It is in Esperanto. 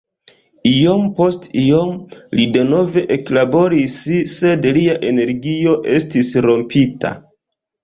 Iom post iom li denove eklaboris sed lia energio estis rompita.